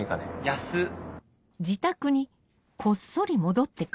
安っ。